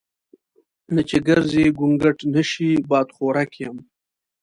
نه چې ګرزي ګونګټ نشي بادخورک یم.